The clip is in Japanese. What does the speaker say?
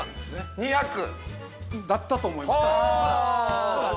２００？だったと思います。